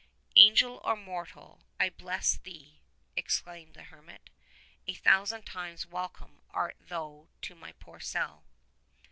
''Angel or mortal, I bless thee !" exclaimed the hermit. "A thousand times welcome art thou to my poor cell."